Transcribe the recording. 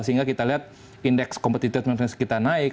sehingga kita lihat indeks kompetitif kita naik